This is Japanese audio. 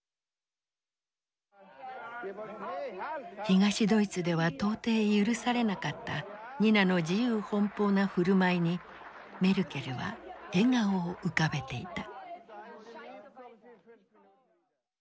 東ドイツでは到底許されなかったニナの自由奔放な振る舞いにメルケルは笑顔を浮かべていた。